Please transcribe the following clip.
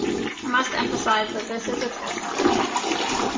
I must emphasize that this is a test version.